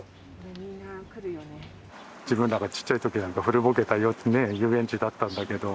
自分らがちっちゃい時なんか古ぼけた遊園地だったんだけど。